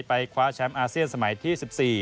คว้าแชมป์อาเซียนสมัยที่๑๔